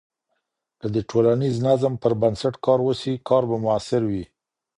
که د ټولنیز نظم پر بنسټ کار وسي، کار به مؤثر وي.